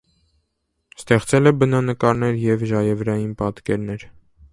Ստեղծել է բնանկարներ և ժաևրային պատկերներ։